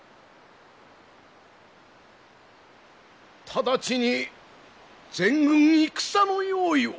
ただちに全軍戦の用意を！